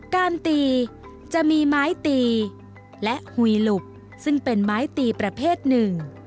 การตีจะมีไม้ตีและหุยหลุบซึ่งเป็นไม้ตีประเภทหนึ่ง